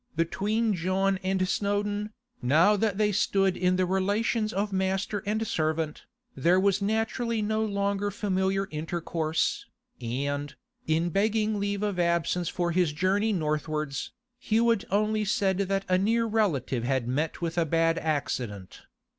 Between John and Snowdon, now that they stood in the relations of master and servant, there was naturally no longer familiar intercourse, and, in begging leave of absence for his journey northwards, Hewett only said that a near relative had met with a bad accident.